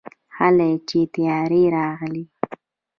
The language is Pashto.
هلئ چې طيارې راغلې.